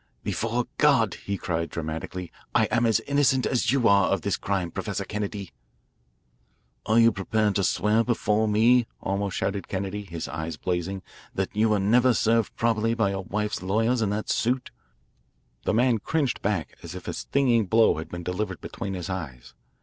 "Before God," he cried dramatically, "I am as innocent as you are of this crime, Professor Kennedy." "Are you prepared to swear before me," almost shouted Kennedy, his eyes blazing, "that you were never served properly by your wife's lawyers in that suit?" The man cringed back as if a stinging blow had been delivered between his eyes.